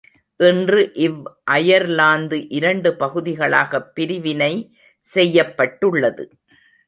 இன்று இவ் அயர்லாந்து இரண்டு பகுதிகளாகப் பிரிவினை செய்யப்பட்டுள்ளது.